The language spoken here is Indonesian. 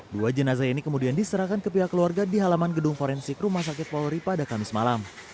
dua jenazah ini kemudian diserahkan ke pihak keluarga di halaman gedung forensik rumah sakit polri pada kamis malam